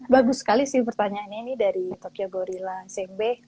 bagus sekali sih pertanyaannya ini dari tokyogorilla smb